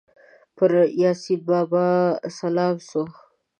پر یاسین بابا سلام سو